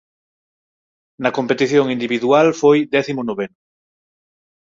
Na competición individual foi décimo noveno.